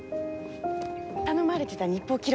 頼まれてた日報記録です。